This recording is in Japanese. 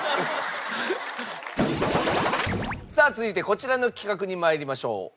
さあ続いてこちらの企画に参りましょう。